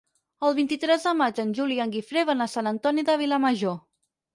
El vint-i-tres de maig en Juli i en Guifré van a Sant Antoni de Vilamajor.